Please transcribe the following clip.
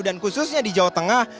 dan khususnya di jawa tengah